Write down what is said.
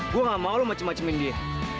gua gak mau lu macem macemin dia